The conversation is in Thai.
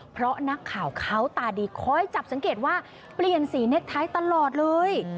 เพราะนักข่าวเขาตาดีคอยจับสังเกตว่าเปลี่ยนสีเน็ตไทยตลอดเลย